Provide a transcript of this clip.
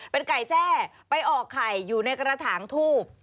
เป็นไก่แจ้ไปออกไข่อยู่ในกระถางทูบ